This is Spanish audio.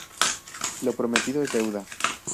Lo prometido es deuda